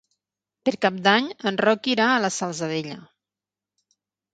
Per Cap d'Any en Roc irà a la Salzadella.